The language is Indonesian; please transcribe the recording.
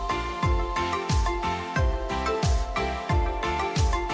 jadi kita berkonsumsi dengan masyarakat indonesia